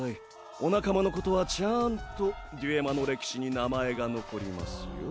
お仲間のことはちゃんとデュエマの歴史に名前が残りますよ。